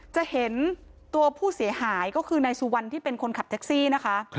จะเห็นตัวผู้เสียหายก็คือนายสุวรรณที่เป็นคนขับแท็กซี่นะคะ